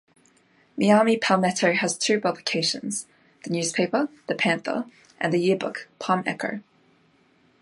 Miami Palmetto has two publications: the newspaper, "The Panther", and the yearbook, "Palm Echo".